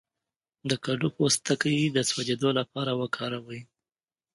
د کدو پوستکی د سوځیدو لپاره وکاروئ